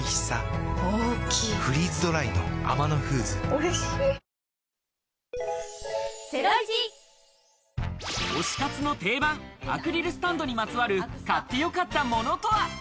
推し活の定番、アクリルスタンドにまつわる買ってよかったものとは。